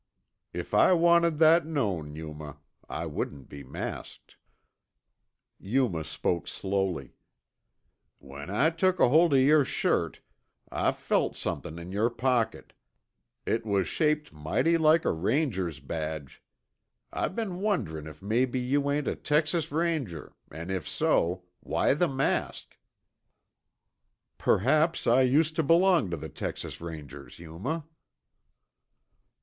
"If I wanted that known, Yuma, I wouldn't be masked." Yuma spoke slowly. "When I took ahold of yer shirt, I felt somethin' in yer pocket. It was shaped mighty like a Ranger's badge. I been wonderin' if maybe you ain't a Texas Ranger, an' if so, why the mask?" "Perhaps I used to belong to the Texas Rangers, Yuma."